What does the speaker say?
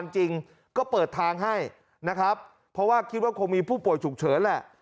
จริงก็เปิดทางให้นะครับเพราะว่าคิดว่าคงมีผู้ป่วยฉุกเฉินแหละ